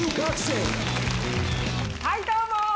はいどうも！